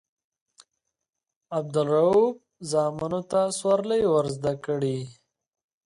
عبدالروف زامنو ته سورلۍ ورزده کړي.